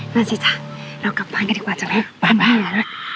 นั่นสิจ๊ะเรากลับบ้านกันดีกว่าจะไปบ้านแม่นะ